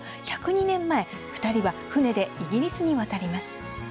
１０２年前、２人は船でイギリスに渡ります。